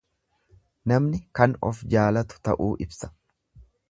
Namni kan of jaalatu ta'uu ibsa.